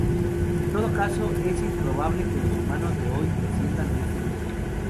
En todo caso es improbable que los humanos de hoy desciendan de este grupo.